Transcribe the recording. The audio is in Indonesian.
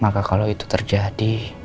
maka kalau itu terjadi